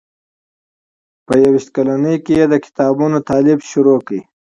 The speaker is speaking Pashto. په یو ویشت کلنۍ کې یې د کتابونو تالیف پیل کړ.